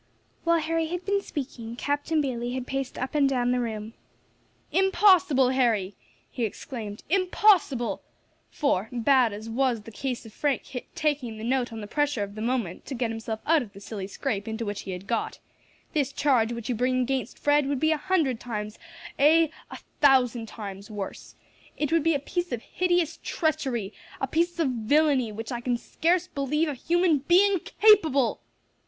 While Harry had been speaking Captain Bayley had paced up and down the room. "Impossible, Harry," he exclaimed, "impossible. For, bad as was the case of Frank taking the note on the pressure of the moment to get himself out of the silly scrape into which he had got, this charge which you bring against Fred would be a hundred times, ay, a thousand times worse. It would be a piece of hideous treachery, a piece of villainy of which I can scarce believe a human being capable."